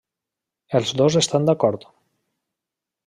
Els dos estan d'acord.